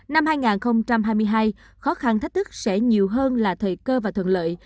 năm hai nghìn hai mươi hai khó khăn thách thức sẽ nhiều hơn là thời cơ và thuận lợi